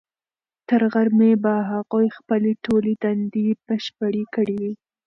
تر غرمې به هغوی خپلې ټولې دندې بشپړې کړې وي.